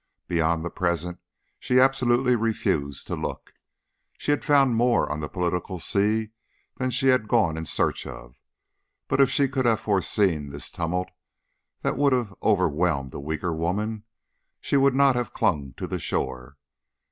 Beyond the present she absolutely refused to look. She had found more on the political sea than she had gone in search of, but if she could have foreseen this tumult that would have overwhelmed a weaker woman, she would not have clung to the shore.